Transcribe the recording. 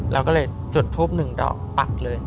เราก็เลยจุดทูปหนึ่งดอกปักเลย